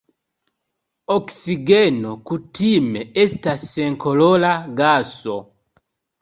Oksigeno kutime estas senkolora gaso.